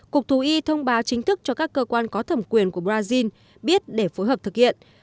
cục thú y thông báo chính thức cho các cơ quan có thẩm quyền của brazil biết để phối hợp thực hiện